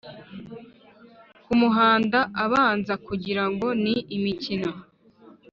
Kamuhanda abanza kugira ngo ni imikino.